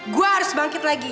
gue harus bangkit lagi